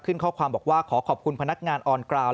ข้อความบอกว่าขอขอบคุณพนักงานออนกราว